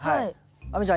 亜美ちゃん